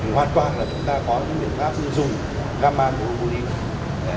hoàn toàn là chúng ta có những biện pháp dùng gamma hai volumine